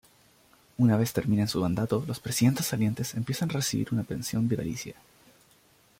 Una vez terminen su mandato los presidentes salientes empiezan a recibir una pensión vitalicia.